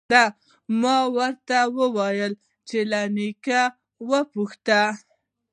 _دا مه راته وايه چې له نيکه وپوښته.